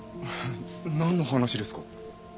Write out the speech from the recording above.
なんの話ですか？